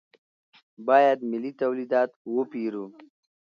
باید ملي تولیدات وپېرو.